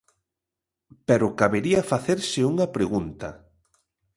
Pero cabería facerse unha pregunta.